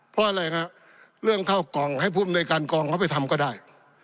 เพราะอะไรครับเรื่องข้าวกองให้ภูมิในการกองเขาไปทำก็ได้